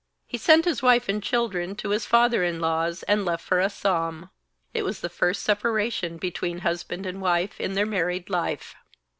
He sent his wife and children to his father in law's, and left for Assam. It was the first separation between husband and wife in their married life.